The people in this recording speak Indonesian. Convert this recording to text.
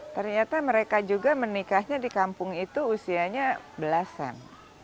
ternyata mereka juga menikahnya di kampung itu usianya belasan